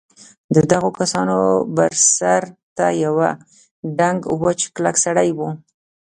د دغو کسانو بر سر ته یوه دنګ وچ کلک سړي و.